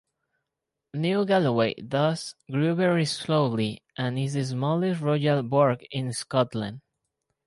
New Galloway thus grew very slowly and is the smallest Royal Burgh in Scotland.